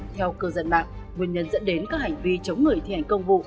theo cơ dân mạng nguyên nhân dẫn đến các hành vi chống người thi hành công vụ